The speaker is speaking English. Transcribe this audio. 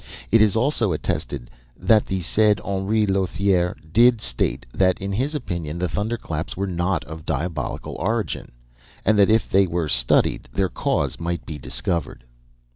It is also attested that the said Henri Lothiere did state that in his opinion the thunderclaps were not of diabolical origin, and that if they were studied, their cause might be discovered.